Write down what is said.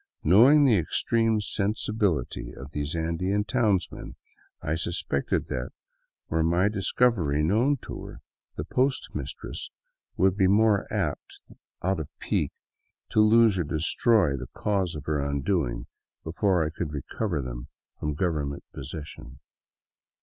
Knowing the extreme sen sibility of these Andean townsmen, I suspected that, were my discovery known to her, the post mistress would be more than apt, out of pique, to lose. or destroy the cause of her undoing before I could recover them 222 THE WILDS OF NORTHERN PERU from government possession.